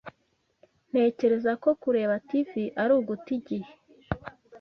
Ntekereza ko kureba TV ari uguta igihe.